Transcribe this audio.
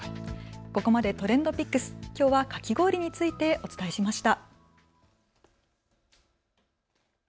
ここまでＴｒｅｎｄＰｉｃｋｓ、きょうはかき氷についてお伝えしました。